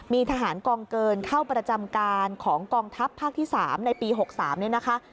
มีทหารกองเกินเข้าประจำการของกองทัพภาคที่๓ในปี๖๓เนี่ยนะคะ